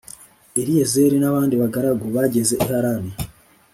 Eliyezeri n abandi bagaragu bageze i Harani